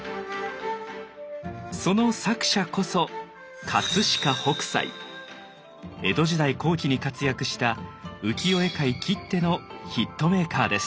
その作者こそ江戸時代後期に活躍した浮世絵界きってのヒットメーカーです。